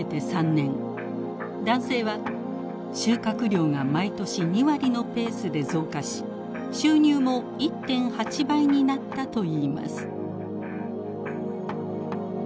男性は収穫量が毎年２割のペースで増加し収入も１．８倍になったといいます。